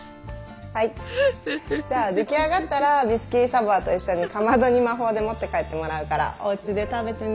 はいじゃあ出来上がったらビスキュイ・ド・サヴォワと一緒にかまどに魔法で持って帰ってもらうからおうちで食べてね。